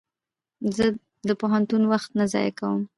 زه د پوهنتون وخت نه ضایع کوم.